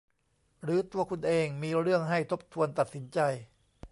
หรือตัวคุณเองมีเรื่องให้ทบทวนตัดสินใจ